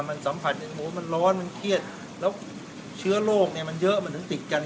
มันสัมผัสอย่างหมูมันร้อนมันเครียดแล้วเชื้อโรคเนี่ยมันเยอะมันถึงติดกัน